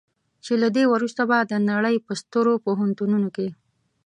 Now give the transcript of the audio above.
چې له دې وروسته به د نړۍ په سترو پوهنتونونو کې.